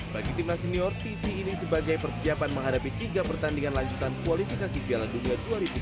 bagi timnas senior tc ini sebagai persiapan menghadapi tiga pertandingan lanjutan kualifikasi piala dunia dua ribu dua puluh